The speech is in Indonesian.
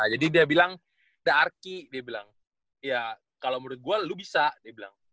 jadi dia bilang the arki dia bilang ya kalo menurut gua lu bisa dia bilang